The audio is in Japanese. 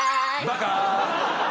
バカ。